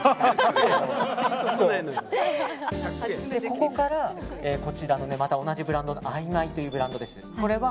ここからこちらも同じブランドのＩＭＡＩというブランドです。